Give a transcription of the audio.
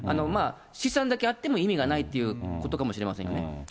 資産だけあっても意味がないということかもしれませんよね。